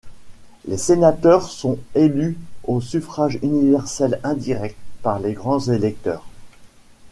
Les sénateurs sont élus au suffrage universel indirect par les grands électeurs.